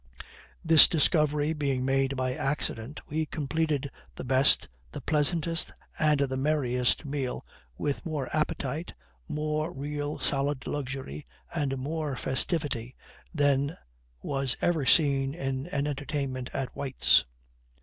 This discovery being made by accident, we completed the best, the pleasantest, and the merriest meal, with more appetite, more real solid luxury, and more festivity, than was ever seen in an entertainment at White's.